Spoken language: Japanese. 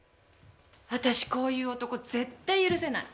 私こういう男絶対許せない。